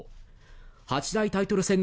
八大タイトル戦の